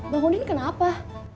bang udin kenapa